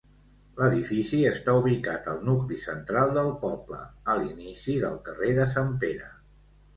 L'edifici està ubicat al nucli central del poble, a l'inici del carrer de Sant Pere.